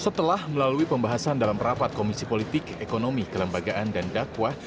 setelah melalui pembahasan dalam rapat komisi politik ekonomi kelembagaan dan dakwah